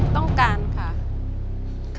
ต้องการค่ะ